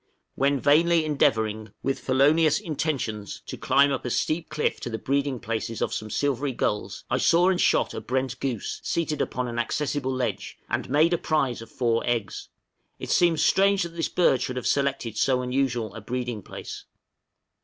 When vainly endeavoring, with felonious intentions, to climb up a steep cliff to the breeding places of some silvery gulls, I saw and shot a brent goose, seated upon an accessible ledge, and made a prize of four eggs; it seems strange that this bird should have selected so unusual a breeding place.